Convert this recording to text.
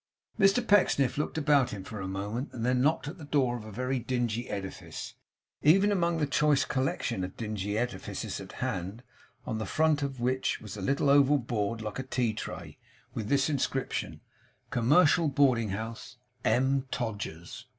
Mr Pecksniff looked about him for a moment, and then knocked at the door of a very dingy edifice, even among the choice collection of dingy edifices at hand; on the front of which was a little oval board like a tea tray, with this inscription 'Commercial Boarding House: M. Todgers.